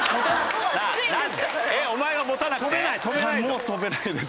もう跳べないです。